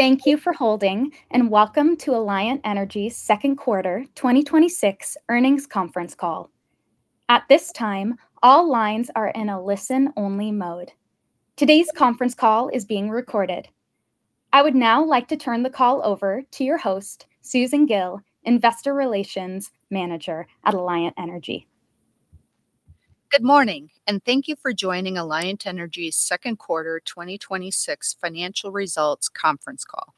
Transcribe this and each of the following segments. Thank you for holding. Welcome to Alliant Energy's second quarter 2026 earnings conference call. At this time, all lines are in a listen-only mode. Today's conference call is being recorded. I would now like to turn the call over to your host, Susan Gille, investor relations manager at Alliant Energy. Good morning. Thank you for joining Alliant Energy's second quarter 2026 financial results conference call.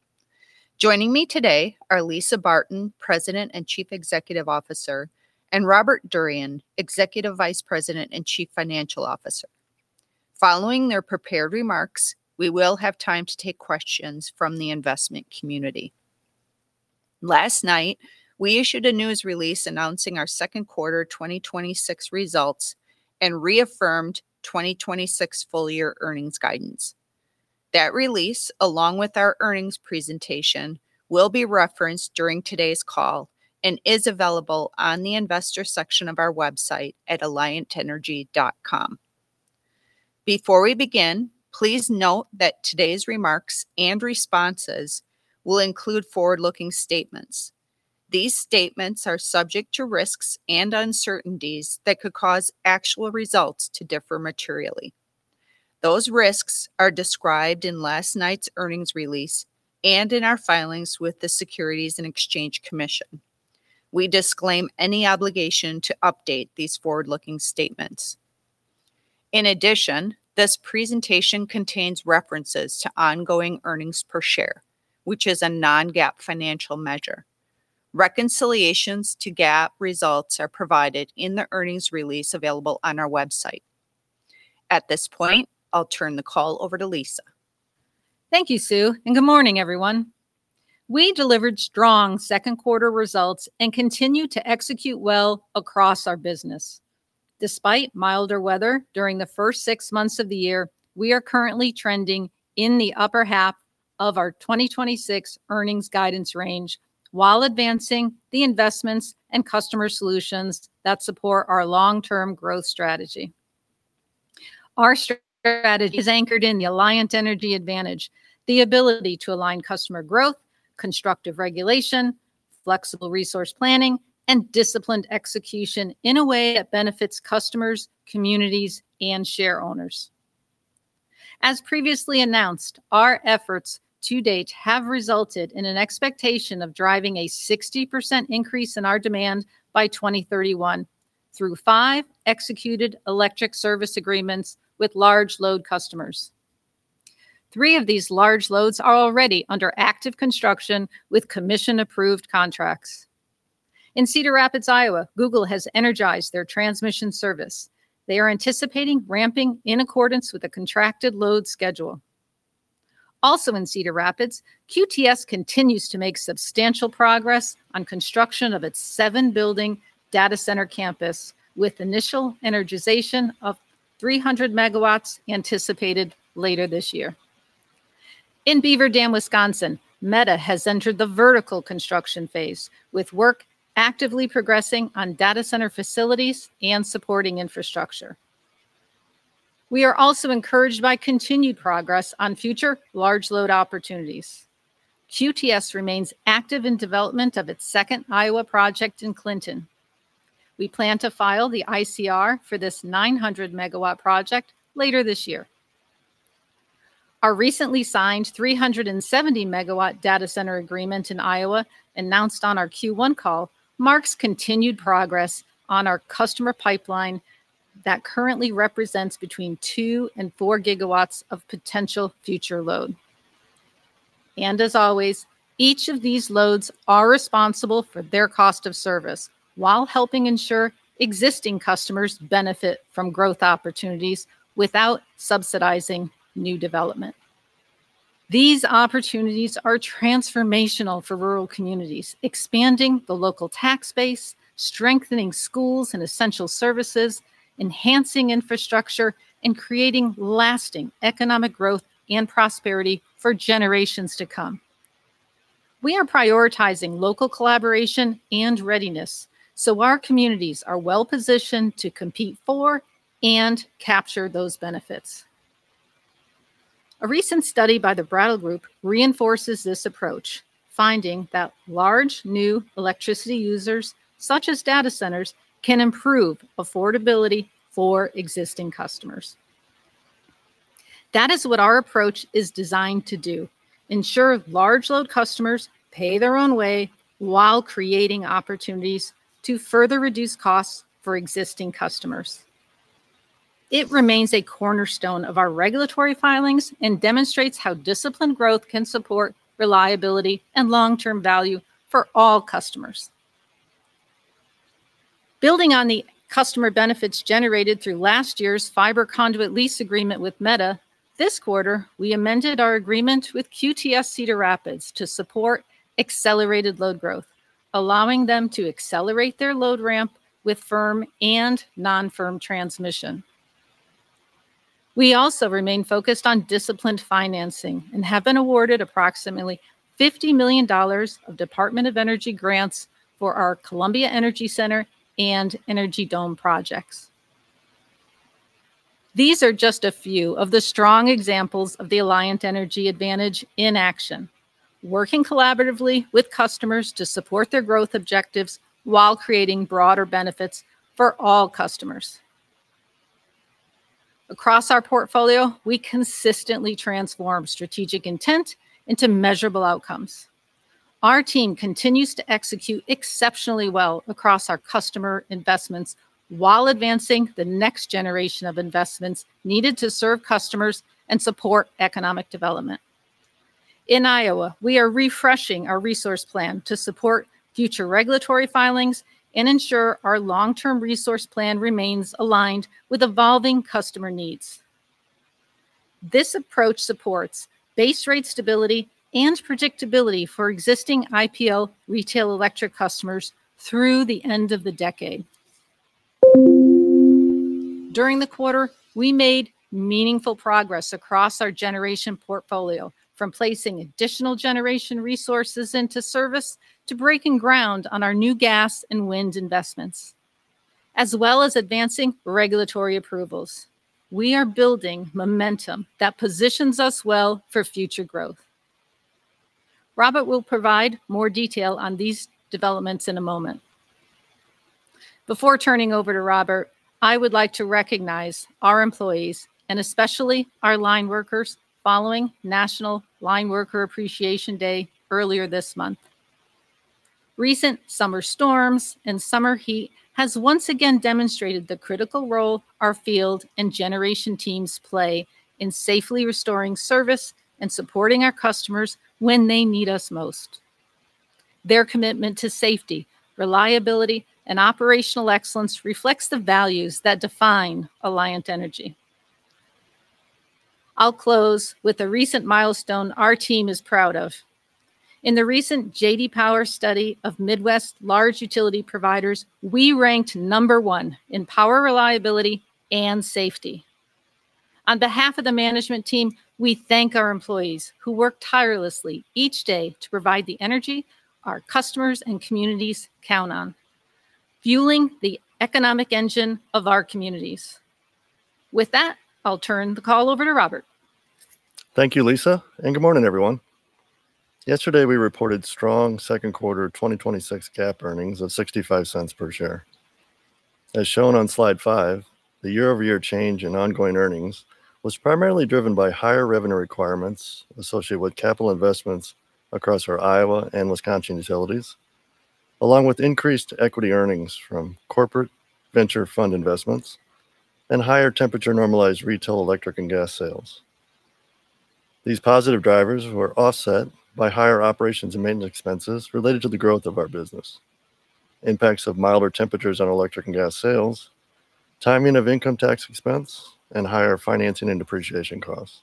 Joining me today are Lisa Barton, President and Chief Executive Officer, and Robert Durian, Executive Vice President and Chief Financial Officer. Following their prepared remarks, we will have time to take questions from the investment community. Last night, we issued a news release announcing our second quarter 2026 results and reaffirmed 2026 full-year earnings guidance. That release, along with our earnings presentation, will be referenced during today's call and is available on the investor section of our website at alliantenergy.com. Before we begin, please note that today's remarks and responses will include forward-looking statements. These statements are subject to risks and uncertainties that could cause actual results to differ materially. Those risks are described in last night's earnings release and in our filings with the Securities and Exchange Commission. We disclaim any obligation to update these forward-looking statements. In addition, this presentation contains references to ongoing earnings per share, which is a non-GAAP financial measure. Reconciliations to GAAP results are provided in the earnings release available on our website. At this point, I'll turn the call over to Lisa. Thank you, Sue. Good morning, everyone. We delivered strong second quarter results and continue to execute well across our business. Despite milder weather during the first six months of the year, we are currently trending in the upper half of our 2026 earnings guidance range while advancing the investments and customer solutions that support our long-term growth strategy. Our strategy is anchored in the Alliant Energy advantage, the ability to align customer growth, constructive regulation, flexible resource planning, and disciplined execution in a way that benefits customers, communities, and share owners. As previously announced, our efforts to date have resulted in an expectation of driving a 60% increase in our demand by 2031 through five executed electric service agreements with large load customers. Three of these large loads are already under active construction with commission-approved contracts. In Cedar Rapids, Iowa, Google has energized their transmission service. They are anticipating ramping in accordance with a contracted load schedule. Also in Cedar Rapids, QTS continues to make substantial progress on construction of its seven-building data center campus, with initial energization of 300 megawatts anticipated later this year. In Beaver Dam, Wisconsin, Meta has entered the vertical construction phase, with work actively progressing on data center facilities and supporting infrastructure. We are also encouraged by continued progress on future large load opportunities. QTS remains active in development of its second Iowa project in Clinton. We plan to file the ICR for this 900-megawatt project later this year. Our recently signed 370-megawatt data center agreement in Iowa, announced on our Q1 call, marks continued progress on our customer pipeline that currently represents between two and four gigawatts of potential future load. As always, each of these loads are responsible for their cost of service while helping ensure existing customers benefit from growth opportunities without subsidizing new development. These opportunities are transformational for rural communities, expanding the local tax base, strengthening schools and essential services, enhancing infrastructure, and creating lasting economic growth and prosperity for generations to come. We are prioritizing local collaboration and readiness so our communities are well-positioned to compete for and capture those benefits. A recent study by The Brattle Group reinforces this approach, finding that large new electricity users, such as data centers, can improve affordability for existing customers. That is what our approach is designed to do, ensure large load customers pay their own way while creating opportunities to further reduce costs for existing customers. It remains a cornerstone of our regulatory filings and demonstrates how disciplined growth can support reliability and long-term value for all customers. Building on the customer benefits generated through last year's fiber conduit lease agreement with Meta, this quarter, we amended our agreement with QTS Cedar Rapids to support accelerated load growth, allowing them to accelerate their load ramp with firm and non-firm transmission. We also remain focused on disciplined financing and have been awarded approximately $50 million of Department of Energy grants for our Columbia Energy Center and Energy Dome projects. These are just a few of the strong examples of the Alliant Energy advantage in action, working collaboratively with customers to support their growth objectives while creating broader benefits for all customers. Across our portfolio, we consistently transform strategic intent into measurable outcomes. Our team continues to execute exceptionally well across our customer investments while advancing the next generation of investments needed to serve customers and support economic development. In Iowa, we are refreshing our resource plan to support future regulatory filings and ensure our long-term resource plan remains aligned with evolving customer needs. This approach supports base rate stability and predictability for existing IPL retail electric customers through the end of the decade. During the quarter, we made meaningful progress across our generation portfolio, from placing additional generation resources into service to breaking ground on our new gas and wind investments, as well as advancing regulatory approvals. We are building momentum that positions us well for future growth. Robert will provide more detail on these developments in a moment. Before turning over to Robert, I would like to recognize our employees and especially our line workers following National Line Worker Appreciation Day earlier this month. Recent summer storms and summer heat has once again demonstrated the critical role our field and generation teams play in safely restoring service and supporting our customers when they need us most. Their commitment to safety, reliability, and operational excellence reflects the values that define Alliant Energy. I'll close with a recent milestone our team is proud of. In the recent J.D. Power study of Midwest large utility providers, we ranked number one in power reliability and safety. On behalf of the management team, we thank our employees who work tirelessly each day to provide the energy our customers and communities count on, fueling the economic engine of our communities. With that, I'll turn the call over to Robert. Thank you, Lisa, and good morning, everyone. Yesterday, we reported strong second quarter 2026 GAAP earnings of $0.65 per share. As shown on slide five, the year-over-year change in ongoing earnings was primarily driven by higher revenue requirements associated with capital investments across our Iowa and Wisconsin utilities, along with increased equity earnings from corporate venture fund investments and higher temperature normalized retail electric and gas sales. These positive drivers were offset by higher operations and maintenance expenses related to the growth of our business, impacts of milder temperatures on electric and gas sales, timing of income tax expense, and higher financing and depreciation costs.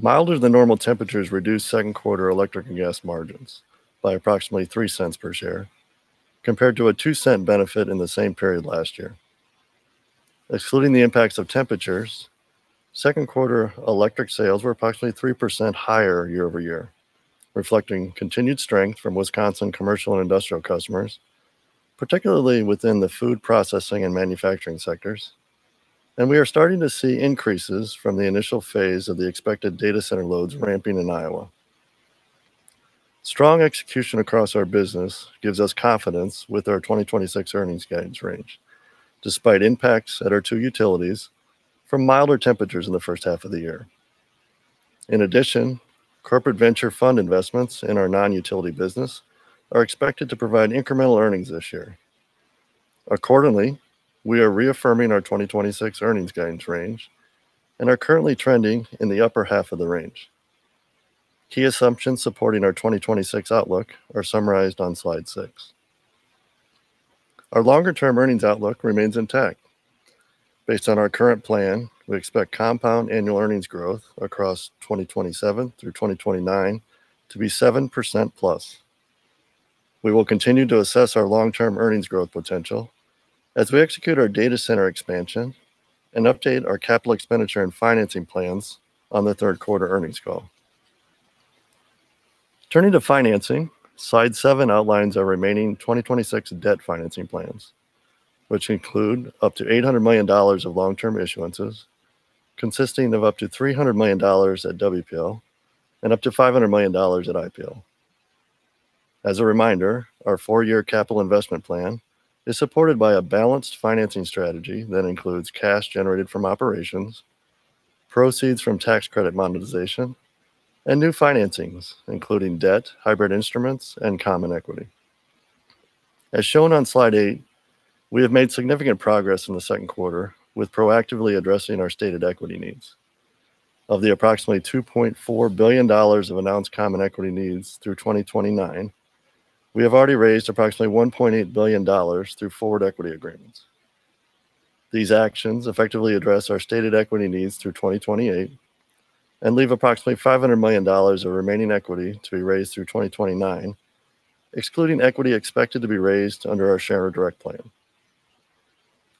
Milder than normal temperatures reduced second quarter electric and gas margins by approximately $0.03 per share compared to a $0.02 benefit in the same period last year. Excluding the impacts of temperatures, second quarter electric sales were approximately 3% higher year-over-year, reflecting continued strength from Wisconsin commercial and industrial customers, particularly within the food processing and manufacturing sectors. We are starting to see increases from the initial phase of the expected data center loads ramping in Iowa. Strong execution across our business gives us confidence with our 2026 earnings guidance range, despite impacts at our two utilities from milder temperatures in the first half of the year. In addition, corporate venture fund investments in our non-utility business are expected to provide incremental earnings this year. Accordingly, we are reaffirming our 2026 earnings guidance range and are currently trending in the upper half of the range. Key assumptions supporting our 2026 outlook are summarized on slide six. Our longer-term earnings outlook remains intact. Based on our current plan, we expect compound annual earnings growth across 2027 through 2029 to be 7%+. We will continue to assess our long-term earnings growth potential as we execute our data center expansion and update our capital expenditure and financing plans on the third quarter earnings call. Turning to financing, slide seven outlines our remaining 2026 debt financing plans, which include up to $800 million of long-term issuances, consisting of up to $300 million at WPL and up to $500 million at IPL. As a reminder, our four-year capital investment plan is supported by a balanced financing strategy that includes cash generated from operations, proceeds from tax credit monetization, and new financings, including debt, hybrid instruments, and common equity. As shown on slide eight, we have made significant progress in the second quarter with proactively addressing our stated equity needs. Of the approximately $2.4 billion of announced common equity needs through 2029, we have already raised approximately $1.8 billion through forward equity agreements. These actions effectively address our stated equity needs through 2028 and leave approximately $500 million of remaining equity to be raised through 2029, excluding equity expected to be raised under our share direct plan.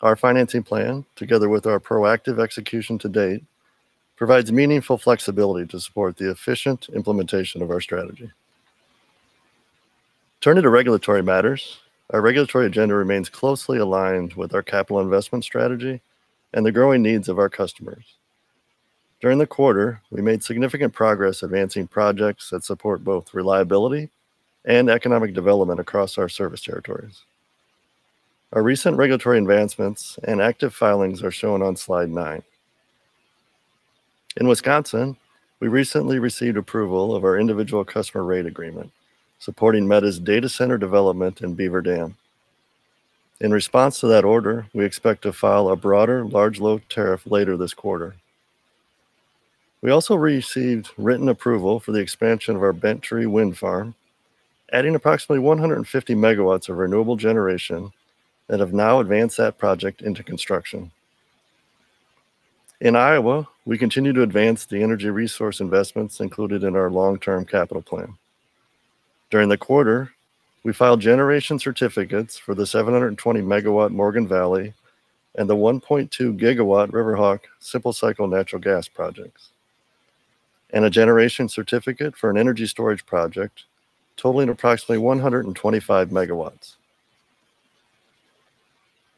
Our financing plan, together with our proactive execution to date, provides meaningful flexibility to support the efficient implementation of our strategy. Turning to regulatory matters, our regulatory agenda remains closely aligned with our capital investment strategy and the growing needs of our customers. During the quarter, we made significant progress advancing projects that support both reliability and economic development across our service territories. Our recent regulatory advancements and active filings are shown on slide nine. In Wisconsin, we recently received approval of our individual customer rate agreement, supporting Meta's data center development in Beaver Dam. In response to that order, we expect to file a broader large load tariff later this quarter. We also received written approval for the expansion of our Bent Tree Wind Farm, adding approximately 150 megawatts of renewable generation and have now advanced that project into construction. In Iowa, we continue to advance the energy resource investments included in our long-term capital plan. During the quarter, we filed generation certificates for the 720-megawatt Morgan Valley and the 1.2-gigawatt River Hawk simple-cycle natural gas projects, and a generation certificate for an energy storage project totaling approximately 125 megawatts.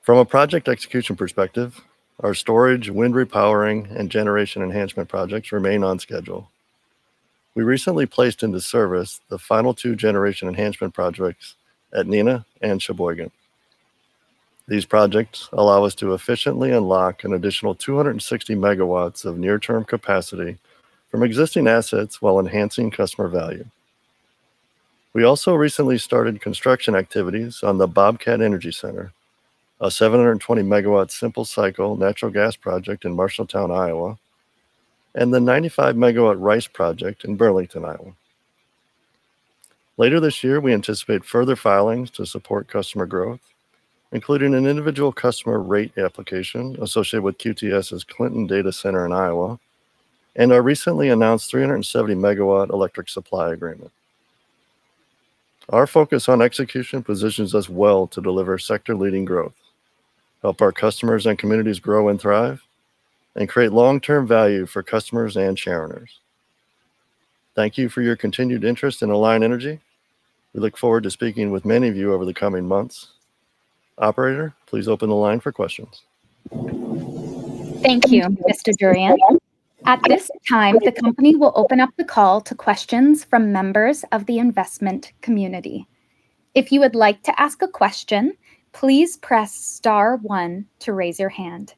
From a project execution perspective, our storage, wind repowering, and generation enhancement projects remain on schedule. We recently placed into service the final two generation enhancement projects at Neenah and Sheboygan. These projects allow us to efficiently unlock an additional 260 megawatts of near-term capacity from existing assets while enhancing customer value. We also recently started construction activities on the Bobcat Energy Center, a 720-megawatt simple-cycle natural gas project in Marshalltown, Iowa, and the 95-megawatt Rice project in Burlington, Iowa. Later this year, we anticipate further filings to support customer growth, including an individual customer rate application associated with QTS's Clinton data center in Iowa and our recently announced 370-megawatt electric supply agreement. Our focus on execution positions us well to deliver sector-leading growth, help our customers and communities grow and thrive, and create long-term value for customers and shareholders. Thank you for your continued interest in Alliant Energy. We look forward to speaking with many of you over the coming months. Operator, please open the line for questions. Thank you, Mr. Durian. At this time, the company will open up the call to questions from members of the investment community. If you would like to ask a question, please press star one to raise your hand.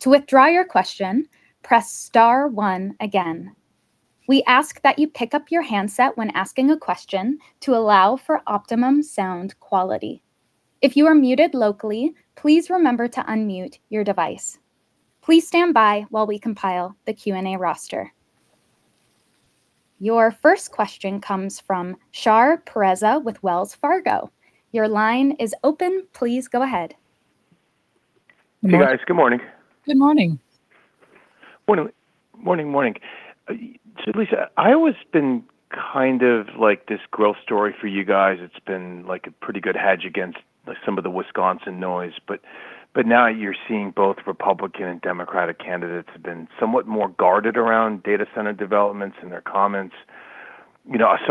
To withdraw your question, press star one again. We ask that you pick up your handset when asking a question to allow for optimum sound quality. If you are muted locally, please remember to unmute your device. Please stand by while we compile the Q&A roster. Your first question comes from Shar Pourreza with Wells Fargo. Your line is open. Please go ahead. Hey, guys. Good morning. Good morning. Morning. Lisa, Iowa's been kind of this growth story for you guys. It's been a pretty good hedge against some of the Wisconsin noise, now you're seeing both Republican and Democratic candidates have been somewhat more guarded around data center developments in their comments.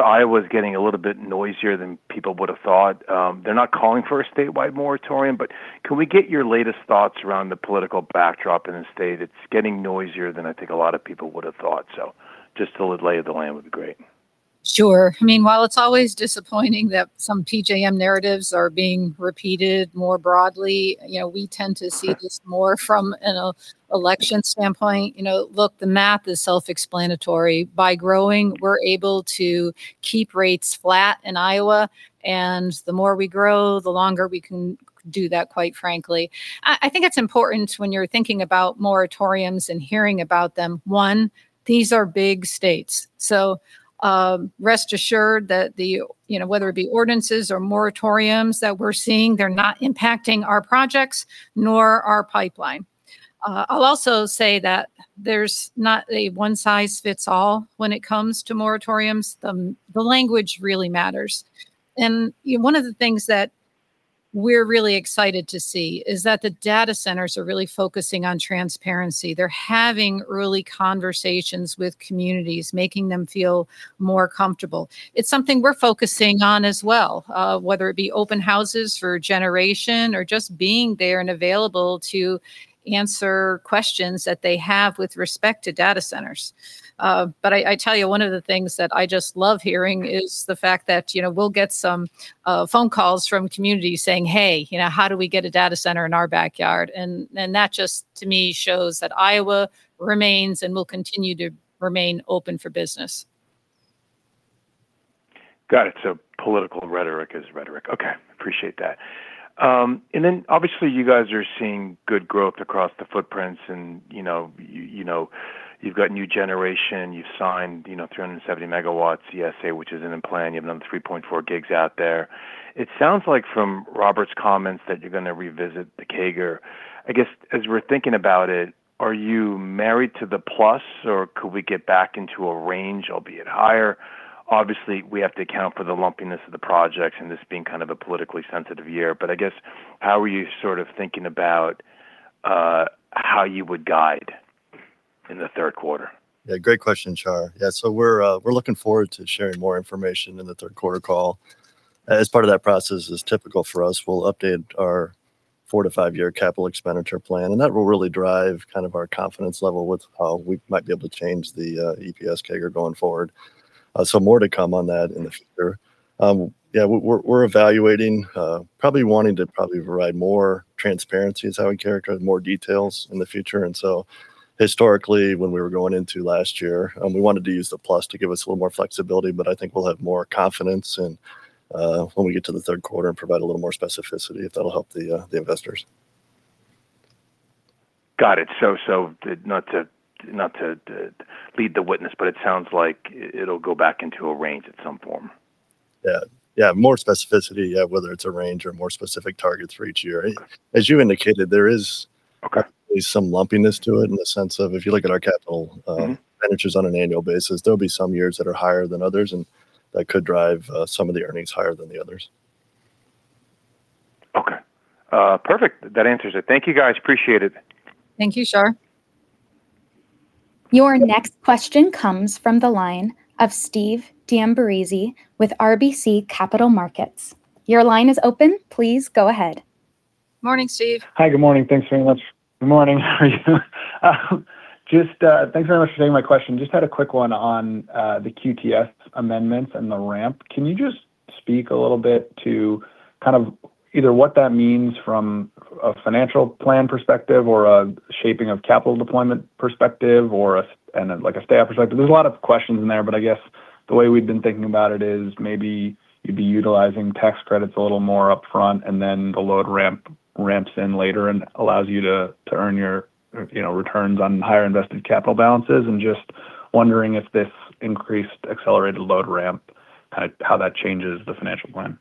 Iowa's getting a little bit noisier than people would've thought. They're not calling for a statewide moratorium, can we get your latest thoughts around the political backdrop in the state? It's getting noisier than I think a lot of people would've thought. Just the lay of the land would be great. Sure. While it's always disappointing that some PJM narratives are being repeated more broadly, we tend to see this more from an election standpoint. Look, the math is self-explanatory. By growing, we're able to keep rates flat in Iowa, and the more we grow, the longer we can do that, quite frankly. I think it's important when you're thinking about moratoriums and hearing about them, one, these are big states. Rest assured that whether it be ordinances or moratoriums that we're seeing, they're not impacting our projects nor our pipeline. I'll also say that there's not a one size fits all when it comes to moratoriums. The language really matters. One of the things that we're really excited to see is that the data centers are really focusing on transparency. They're having early conversations with communities, making them feel more comfortable. It's something we're focusing on as well, whether it be open houses for generation or just being there and available to answer questions that they have with respect to data centers. I tell you, one of the things that I just love hearing is the fact that we'll get some phone calls from communities saying, "Hey, how do we get a data center in our backyard?" That just, to me, shows that Iowa remains and will continue to remain open for business. Got it. Political rhetoric is rhetoric. Okay. Appreciate that. Then obviously you guys are seeing good growth across the footprints and you've got new generation, you've signed 370 megawatts ESA, which is in the plan. You have another 3.4 gigs out there. It sounds like from Robert's comments that you're going to revisit the CAGR. I guess, as we're thinking about it, are you married to the plus, or could we get back into a range, albeit higher? Obviously, we have to account for the lumpiness of the projects and this being kind of a politically sensitive year, but I guess how are you sort of thinking about how you would guide? In the third quarter. Great question, Shar. We're looking forward to sharing more information in the third quarter call. As part of that process is typical for us, we'll update our four to five-year capital expenditure plan, and that will really drive kind of our confidence level with how we might be able to change the EPS CAGR going forward. More to come on that in the future. We're evaluating, probably wanting to probably provide more transparency is how we characterize more details in the future. Historically, when we were going into last year, we wanted to use the plus to give us a little more flexibility, but I think we'll have more confidence when we get to the third quarter and provide a little more specificity, if that'll help the investors. Got it. Not to lead the witness, it sounds like it'll go back into a range at some form. Yeah. More specificity, yeah, whether it's a range or more specific targets for each year. As you indicated, there is- Okay Some lumpiness to it in the sense of, if you look at our capital- expenditures on an annual basis, there'll be some years that are higher than others, and that could drive some of the earnings higher than the others. Okay. Perfect. That answers it. Thank you, guys. Appreciate it. Thank you, Shar. Your next question comes from the line of Stephen D'Ambrisi with RBC Capital Markets. Your line is open. Please go ahead. Morning, Stephen. Hi. Good morning. Thanks very much. Good morning. How are you? Thanks very much for taking my question. Just had a quick one on the QTS amendments and the ramp. Can you just speak a little bit to kind of either what that means from a financial plan perspective or a shaping of capital deployment perspective or like a staff perspective? There's a lot of questions in there. I guess the way we've been thinking about it is maybe you'd be utilizing tax credits a little more upfront, and then the load ramps in later and allows you to earn your returns on higher invested capital balances. Just wondering if this increased accelerated load ramp, how that changes the financial plan.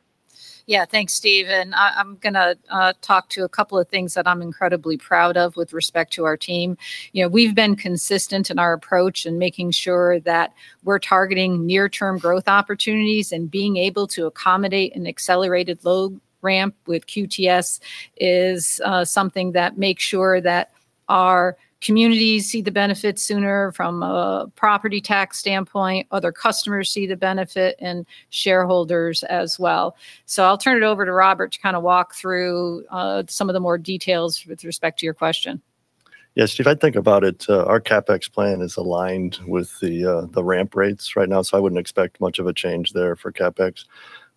Thanks, Stephen. I'm going to talk to a couple of things that I'm incredibly proud of with respect to our team. We've been consistent in our approach in making sure that we're targeting near-term growth opportunities and being able to accommodate an accelerated load ramp with QTS is something that makes sure that our communities see the benefits sooner from a property tax standpoint, other customers see the benefit, and shareholders as well. I'll turn it over to Robert to kind of walk through some of the more details with respect to your question. Yeah, Stephen, I'd think about it. Our CapEx plan is aligned with the ramp rates right now, I wouldn't expect much of a change there for CapEx.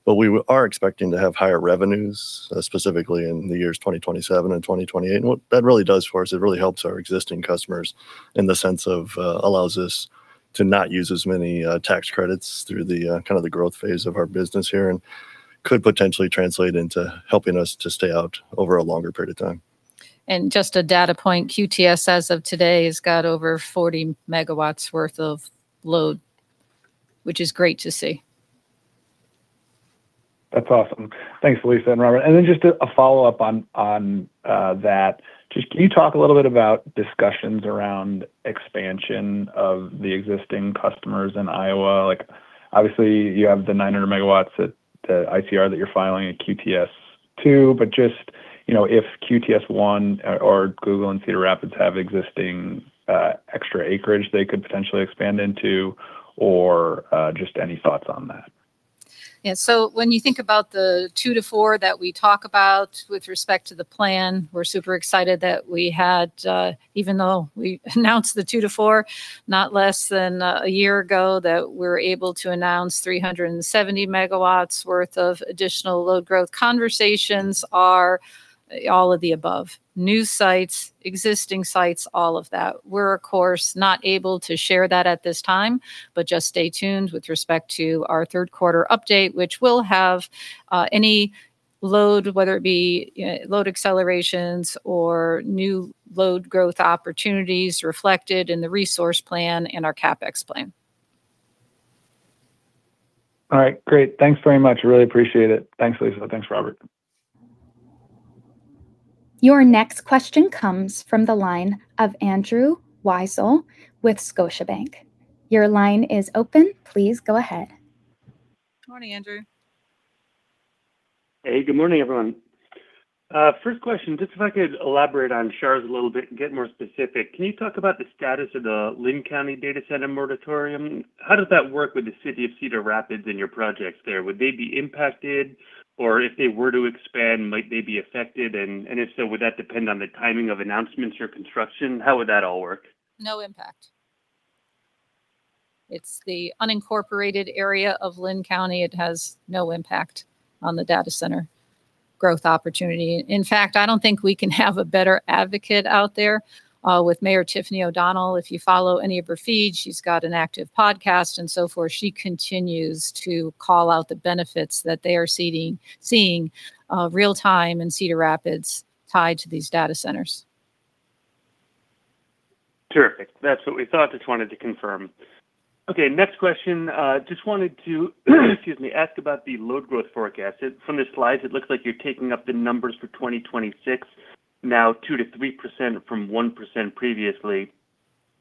We are expecting to have higher revenues, specifically in the years 2027 and 2028. What that really does for us, it really helps our existing customers in the sense of allows us to not use as many tax credits through the kind of the growth phase of our business here and could potentially translate into helping us to stay out over a longer period of time. Just a data point, QTS, as of today, has got over 40 megawatts worth of load, which is great to see. That's awesome. Thanks, Lisa and Robert. Just a follow-up on that. Can you talk a little bit about discussions around expansion of the existing customers in Iowa? Like obviously you have the 900 megawatts at ICR that you're filing at QTS 2, but if QTS 1 or Google and Cedar Rapids have existing extra acreage they could potentially expand into or any thoughts on that. When you think about the two to four that we talk about with respect to the plan, we're super excited that we had, even though we announced the two to four not less than a year ago, that we're able to announce 370 megawatts worth of additional load growth. Conversations are all of the above. New sites, existing sites, all of that. We're, of course, not able to share that at this time, but just stay tuned with respect to our third quarter update, which will have any load, whether it be load accelerations or new load growth opportunities reflected in the resource plan and our CapEx plan. Great. Thanks very much. Really appreciate it. Thanks, Lisa. Thanks, Robert. Your next question comes from the line of Andrew Weisel with Scotiabank. Your line is open. Please go ahead. Morning, Andrew. Hey. Good morning, everyone. First question, just if I could elaborate on Shar's a little bit and get more specific. Can you talk about the status of the Linn County data center moratorium? How does that work with the city of Cedar Rapids and your projects there? Would they be impacted? Or if they were to expand, might they be affected? If so, would that depend on the timing of announcements or construction? How would that all work? No impact. It's the unincorporated area of Linn County. It has no impact on the data center growth opportunity. In fact, I don't think we can have a better advocate out there, with Mayor Tiffany O'Donnell. If you follow any of her feeds, she's got an active podcast and so forth. She continues to call out the benefits that they are seeing real time in Cedar Rapids tied to these data centers. Terrific. That's what we thought. Just wanted to excuse me, ask about the load growth forecast. From the slides, it looks like you're taking up the numbers for 2026, now 2%-3% from 1% previously.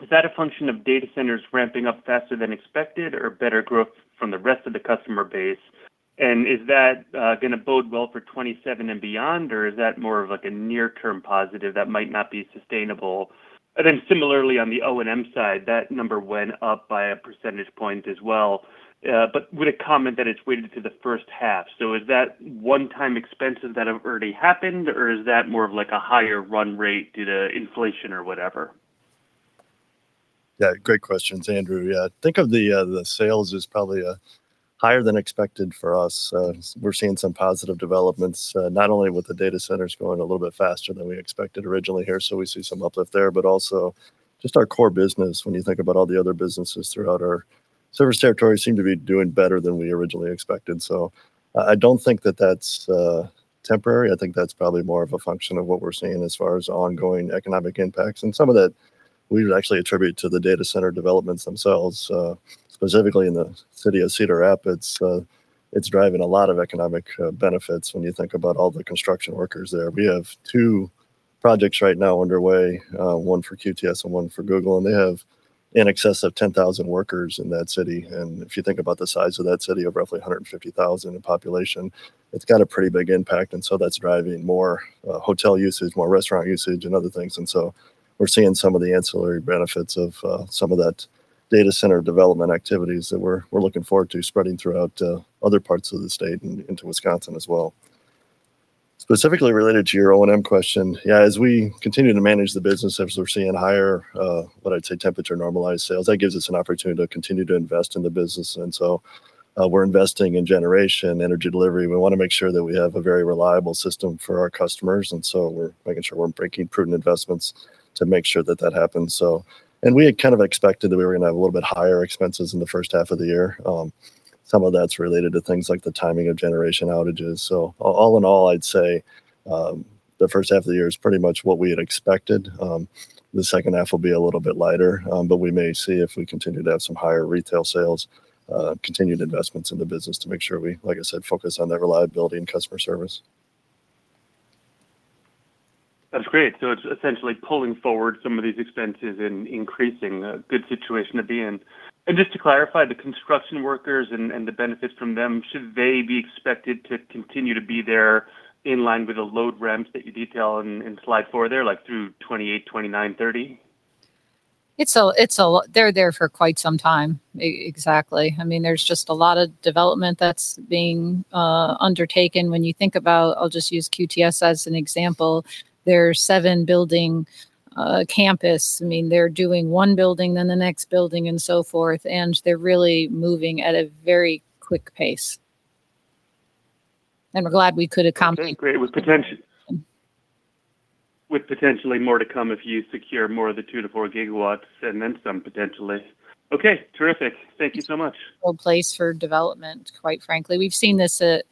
Is that a function of data centers ramping up faster than expected or better growth from the rest of the customer base? Is that going to bode well for 2027 and beyond, or is that more of a near-term positive that might not be sustainable? Similarly on the O&M side, that number went up by a percentage point as well. With a comment that it's weighted to the first half. Is that one-time expenses that have already happened, or is that more of a higher run rate due to inflation or whatever? Yeah, great questions, Andrew. Think of the sales as probably higher than expected for us. We're seeing some positive developments, not only with the data centers going a little bit faster than we expected originally here, so we see some uplift there, but also just our core business. When you think about all the other businesses throughout our service territory seem to be doing better than we originally expected. I don't think that's temporary. I think that's probably more of a function of what we're seeing as far as ongoing economic impacts. Some of that we would actually attribute to the data center developments themselves, specifically in the city of Cedar Rapids. It's driving a lot of economic benefits when you think about all the construction workers there. We have two projects right now underway, one for QTS and one for Google, they have in excess of 10,000 workers in that city. If you think about the size of that city of roughly 150,000 in population, it's got a pretty big impact. That's driving more hotel usage, more restaurant usage, and other things. We're seeing some of the ancillary benefits of some of that data center development activities that we're looking forward to spreading throughout other parts of the state and into Wisconsin as well. Specifically related to your O&M question, yeah, as we continue to manage the business, as we're seeing higher, what I'd say, temperature normalized sales, that gives us an opportunity to continue to invest in the business. We're investing in generation energy delivery. We want to make sure that we have a very reliable system for our customers, we're making sure we're making prudent investments to make sure that that happens. We had kind of expected that we were going to have a little bit higher expenses in the first half of the year. Some of that's related to things like the timing of generation outages. All in all, I'd say, the first half of the year is pretty much what we had expected. The second half will be a little bit lighter. We may see if we continue to have some higher retail sales, continued investments in the business to make sure we, like I said, focus on that reliability and customer service. That's great. It's essentially pulling forward some of these expenses and increasing a good situation to be in. Just to clarify, the construction workers and the benefits from them, should they be expected to continue to be there in line with the load ramps that you detail in slide four there, like through 2028, 2029, 2030? They're there for quite some time. Exactly. There's just a lot of development that's being undertaken. You think about, I'll just use QTS as an example, their seven-building campus. They're doing one building, then the next building, so forth, they're really moving at a very quick pace. We're glad we could accommodate. Great. With potentially more to come if you secure more of the 2-4 gigawatts, and then some, potentially. Okay. Terrific. Thank you so much. Old place for development, quite frankly. We've seen this at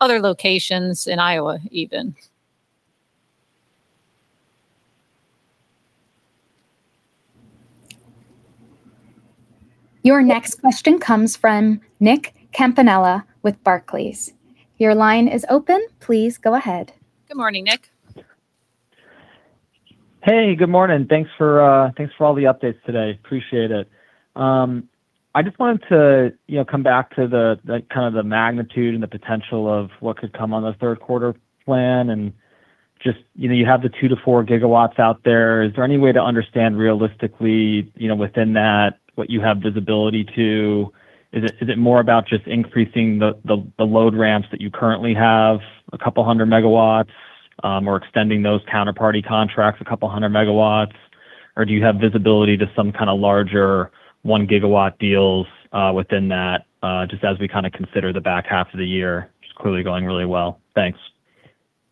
other locations in Iowa, even. Your next question comes from Nicholas Campanella with Barclays. Your line is open. Please go ahead. Good morning, Nick. Hey, good morning. Thanks for all the updates today. Appreciate it. I just wanted to come back to the kind of the magnitude and the potential of what could come on the third quarter plan. You have the 2-4 gigawatts out there. Is there any way to understand realistically, within that, what you have visibility to? Is it more about just increasing the load ramps that you currently have, a couple hundred megawatts, or extending those counterparty contracts a couple hundred megawatts? Do you have visibility to some kind of larger one gigawatt deals within that, just as we kind of consider the back half of the year, which is clearly going really well. Thanks.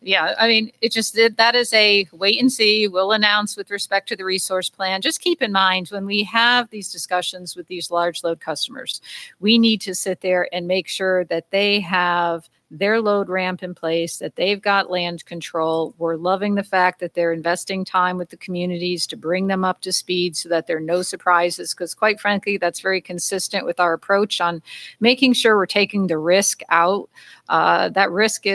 Yeah. That is a wait-and-see. We'll announce with respect to the resource plan. Just keep in mind, when we have these discussions with these large load customers, we need to sit there and make sure that they have their load ramp in place, that they've got land control. We're loving the fact that they're investing time with the communities to bring them up to speed so that there are no surprises, because quite frankly, that's very consistent with our approach on making sure we're taking the risk out. That risk,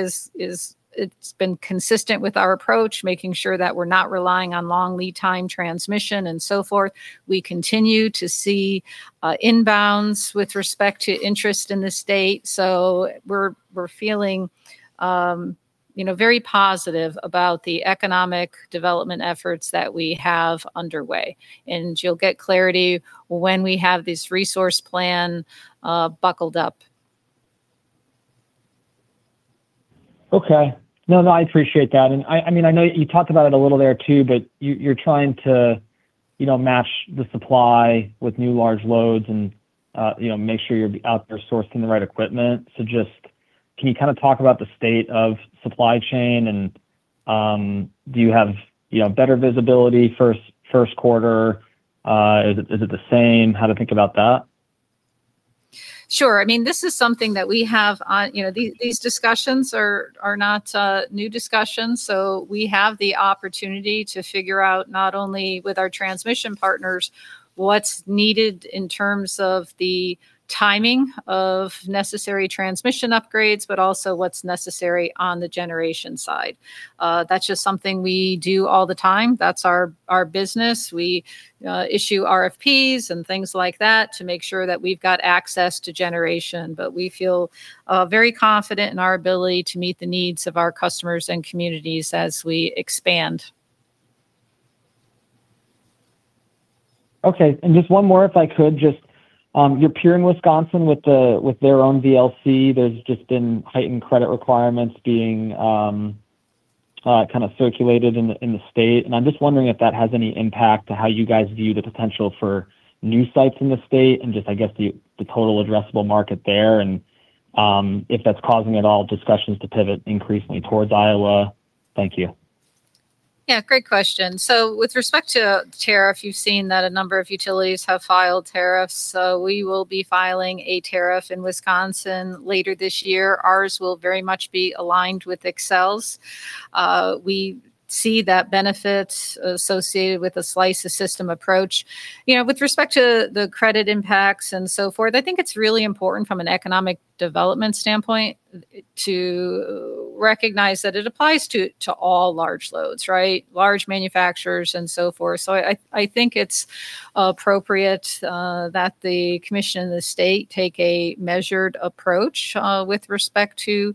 it's been consistent with our approach, making sure that we're not relying on long lead time transmission and so forth. We continue to see inbounds with respect to interest in the state. We're feeling very positive about the economic development efforts that we have underway. You'll get clarity when we have this resource plan buckled up. Okay. No, I appreciate that. I know you talked about it a little there too, you're trying to match the supply with new large loads and make sure you're out there sourcing the right equipment. Just can you kind of talk about the state of supply chain and do you have better visibility first quarter? Is it the same? How to think about that? Sure. These discussions are not new discussions. We have the opportunity to figure out not only with our transmission partners what's needed in terms of the timing of necessary transmission upgrades, but also what's necessary on the generation side. That's just something we do all the time. That's our business. We issue RFPs and things like that to make sure that we've got access to generation. We feel very confident in our ability to meet the needs of our customers and communities as we expand. Just one more, if I could just. Your peer in Wisconsin with their own VLC, there's just been heightened credit requirements being circulated in the state. I'm just wondering if that has any impact to how you guys view the potential for new sites in the state and just, I guess, the total addressable market there and, if that's causing it, all discussions to pivot increasingly towards Iowa. Thank you. Yeah, great question. With respect to tariff, you've seen that a number of utilities have filed tariffs. We will be filing a tariff in Wisconsin later this year. Ours will very much be aligned with Xcel's. We see that benefits associated with a slice of system approach. With respect to the credit impacts and so forth, I think it's really important from an economic development standpoint to recognize that it applies to all large loads, right? Large manufacturers and so forth. I think it's appropriate that the commission and the state take a measured approach with respect to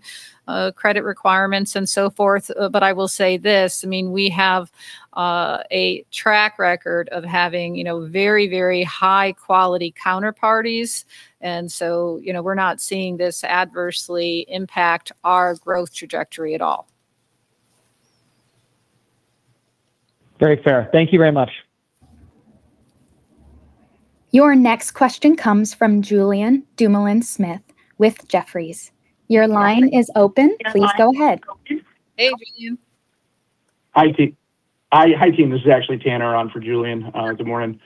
credit requirements and so forth. I will say this, we have a track record of having very high quality counterparties. We're not seeing this adversely impact our growth trajectory at all. Very fair. Thank you very much. Your next question comes from Julien Dumoulin-Smith with Jefferies. Your line is open. Please go ahead. Hey, Julien. Hi, team. This is actually James Thalacker on for Julien. Good morning.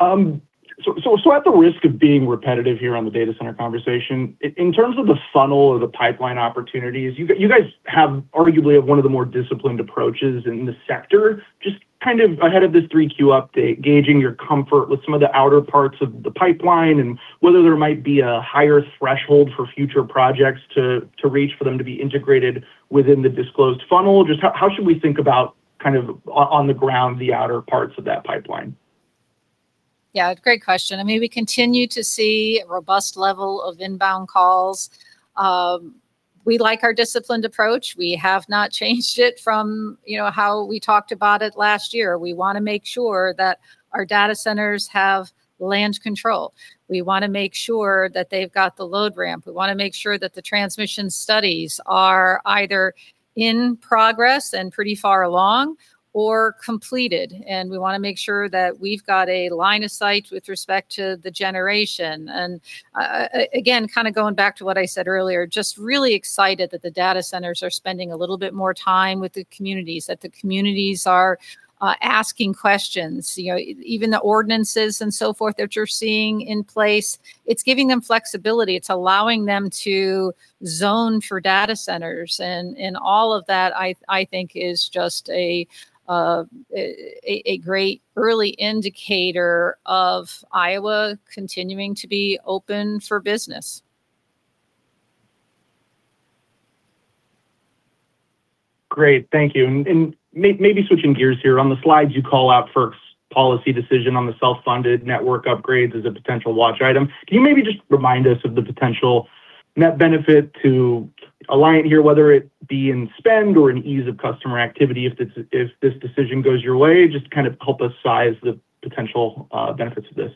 At the risk of being repetitive here on the data center conversation, in terms of the funnel or the pipeline opportunities, you guys have arguably one of the more disciplined approaches in the sector. Just ahead of this 3Q update, gauging your comfort with some of the outer parts of the pipeline and whether there might be a higher threshold for future projects to reach for them to be integrated within the disclosed funnel. Just how should we think about on the ground, the outer parts of that pipeline? Great question. We continue to see a robust level of inbound calls. We like our disciplined approach. We have not changed it from how we talked about it last year. We want to make sure that our data centers have land control. We want to make sure that they've got the load ramp. We want to make sure that the transmission studies are either in progress and pretty far along or completed. We want to make sure that we've got a line of sight with respect to the generation. Again, going back to what I said earlier, just really excited that the data centers are spending a little bit more time with the communities, that the communities are asking questions. Even the ordinances and so forth that you're seeing in place, it's giving them flexibility. It's allowing them to zone for data centers, and all of that, I think, is just a great early indicator of Iowa continuing to be open for business. Great. Thank you. Maybe switching gears here, on the slides you call out FERC's policy decision on the self-funded network upgrades as a potential watch item. Can you maybe just remind us of the potential net benefit to Alliant here, whether it be in spend or in ease of customer activity if this decision goes your way? Just help us size the potential benefits of this.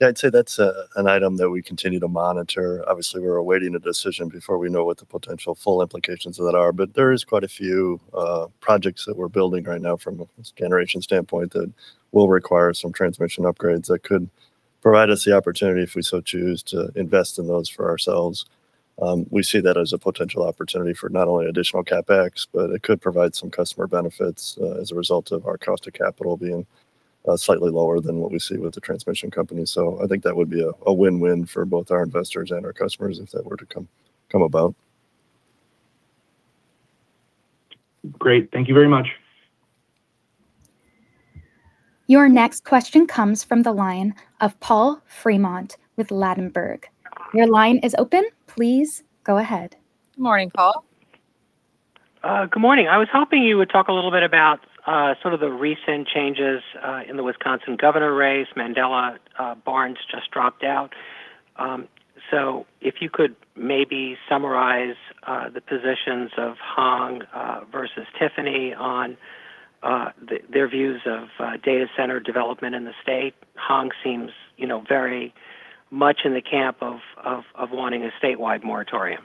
Yeah, I'd say that's an item that we continue to monitor. Obviously, we're awaiting a decision before we know what the potential full implications of that are. There is quite a few projects that we're building right now from a generation standpoint that will require some transmission upgrades that could provide us the opportunity, if we so choose, to invest in those for ourselves. We see that as a potential opportunity for not only additional CapEx, but it could provide some customer benefits as a result of our cost of capital being slightly lower than what we see with the transmission company. I think that would be a win-win for both our investors and our customers if that were to come about. Great. Thank you very much. Your next question comes from the line of Paul Fremont with Ladenburg. Your line is open. Please go ahead. Good morning, Paul. Good morning. I was hoping you would talk a little bit about some of the recent changes in the Wisconsin governor race. Mandela Barnes just dropped out. If you could maybe summarize the positions of Hong versus Tom on their views of data center development in the state. Hong seems very much in the camp of wanting a statewide moratorium.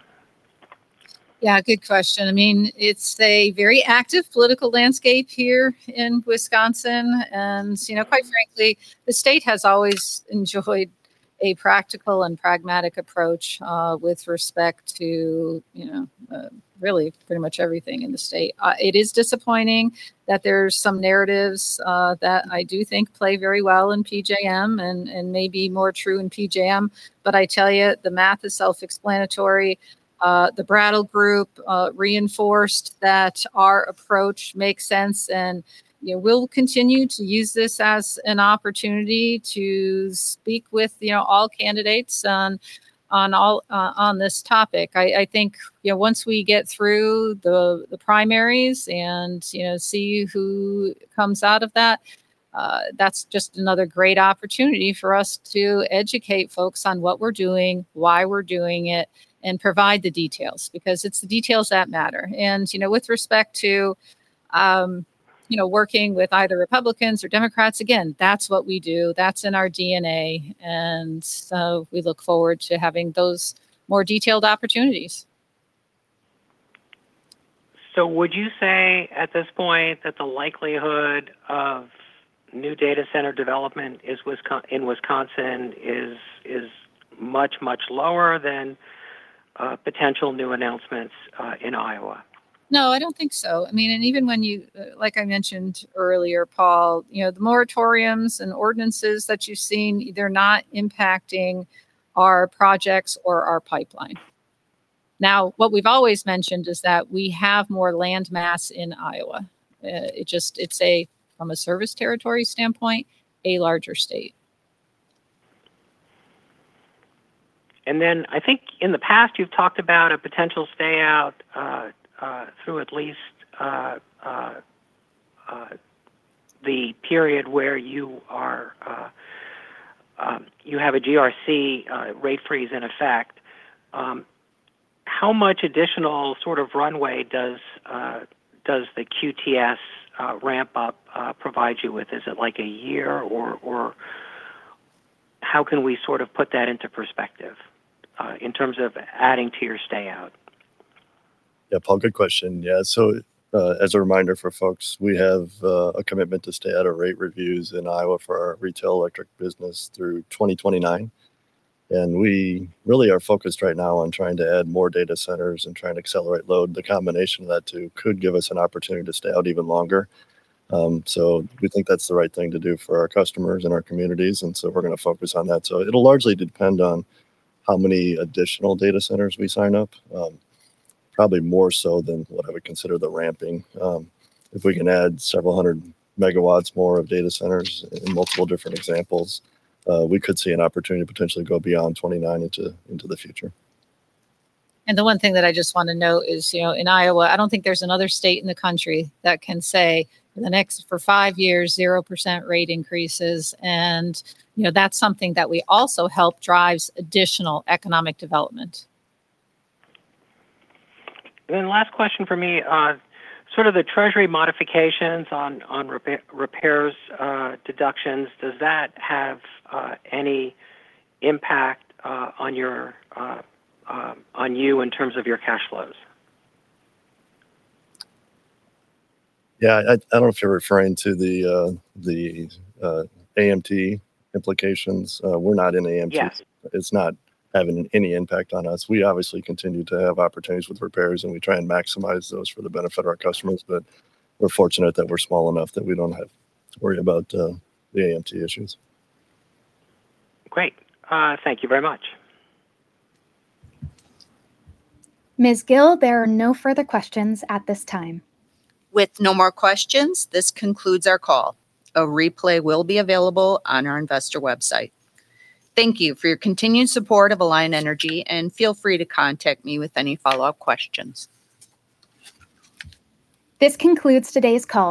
Yeah, good question. It's a very active political landscape here in Wisconsin, and quite frankly, the state has always enjoyed a practical and pragmatic approach, with respect to really pretty much everything in the state. It is disappointing that there's some narratives that I do think play very well in PJM and may be more true in PJM. I tell you, the math is self-explanatory. The Brattle Group reinforced that our approach makes sense, and we'll continue to use this as an opportunity to speak with all candidates on this topic. I think once we get through the primaries and see who comes out of that's just another great opportunity for us to educate folks on what we're doing, why we're doing it, and provide the details, because it's the details that matter. With respect to working with either Republicans or Democrats, again, that's what we do. That's in our DNA, we look forward to having those more detailed opportunities. Would you say at this point that the likelihood of new data center development in Wisconsin is much, much lower than potential new announcements in Iowa? No, I don't think so. Like I mentioned earlier, Paul, the moratoriums and ordinances that you've seen, they're not impacting our projects or our pipeline. What we've always mentioned is that we have more land mass in Iowa. It's, from a service territory standpoint, a larger state. I think in the past, you've talked about a potential stay out through at least the period where you have a GRC rate freeze in effect. How much additional sort of runway does the QTS ramp-up provide you with? Is it like a year, or how can we sort of put that into perspective in terms of adding to your stay out? Yeah, Paul, good question. As a reminder for folks, we have a commitment to stay out of rate reviews in Iowa for our retail electric business through 2029. We really are focused right now on trying to add more data centers and trying to accelerate load. The combination of that two could give us an opportunity to stay out even longer. We think that's the right thing to do for our customers and our communities, we're going to focus on that. It'll largely depend on how many additional data centers we sign up. Probably more so than what I would consider the ramping. If we can add several hundred megawatts more of data centers in multiple different examples, we could see an opportunity to potentially go beyond 2029 into the future. The one thing that I just want to note is, in Iowa, I don't think there's another state in the country that can say for five years, 0% rate increases. That's something that we also help drives additional economic development. Last question from me. Sort of the treasury modifications on repairs deductions, does that have any impact on you in terms of your cash flows? Yeah, I don't know if you're referring to the AMT implications. We're not in AMT. Yes. It's not having any impact on us. We obviously continue to have opportunities with repairs, and we try and maximize those for the benefit of our customers. We're fortunate that we're small enough that we don't have to worry about the AMT issues. Great. Thank you very much. Ms. Gille, there are no further questions at this time. With no more questions, this concludes our call. A replay will be available on our investor website. Thank you for your continued support of Alliant Energy, and feel free to contact me with any follow-up questions. This concludes today's call.